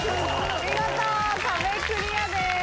見事壁クリアです。